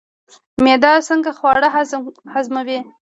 معده څنګه خواړه هضموي؟